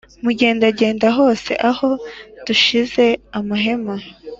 mugendagende hose aho dushinze amahema